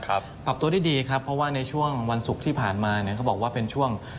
ปรับตัวได้ดีครับเพราะว่าในช่วงวันศุกร์ที่ผ่านมาเนี่ยเขาบอกว่าเป็นช่วง